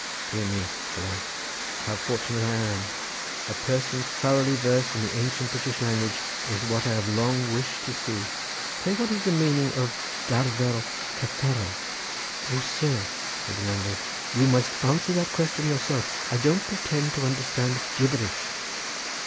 "Dear me!" said I, "how fortunate I am! a person thoroughly versed in the ancient British language is what I have long wished to see. Pray what is the meaning of Darfel Gatherel?" "O sir," said the landlord, "you must answer that question yourself; I don't pretend to understand gibberish!"